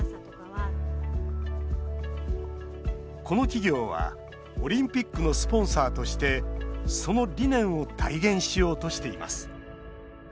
この企業はオリンピックのスポンサーとしてその理念を体現しようとしています。